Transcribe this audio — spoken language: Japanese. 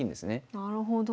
なるほど。